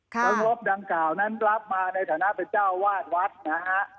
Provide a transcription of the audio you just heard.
แล้วงบดังกล่าวนั้นรับมาในฐานะเป็นเจ้าวาดวัดนะฮะ